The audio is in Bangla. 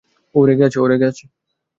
ও রেগে আছে।